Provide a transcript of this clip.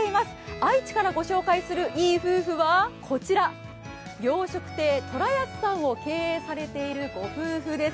愛知からご紹介するいい夫婦はこちら、洋食亭寅安さんを経営されているご夫婦です。